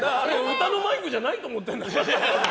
歌のマイクじゃないと思ってる。